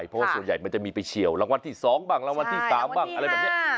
เพราะว่าส่วนใหญ่มันจะมีไปเฉียวรางวัลที่๒บ้างรางวัลที่๓บ้างอะไรแบบนี้